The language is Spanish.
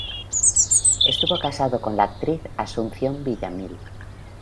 Estuvo casado con la actriz Asunción Villamil.